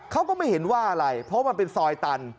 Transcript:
เขาก็ไม่เห็นว่าอะไรเพราะมันเป็นซอยตัน